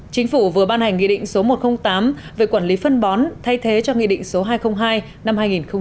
chính phủ vừa ban hành nghị định số một trăm linh tám về quản lý phân bón thay thế cho nghị định số hai trăm linh hai năm hai nghìn một mươi